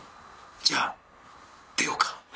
じゃあ出ようか。